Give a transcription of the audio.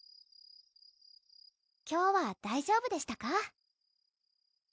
今日は大丈夫でしたか？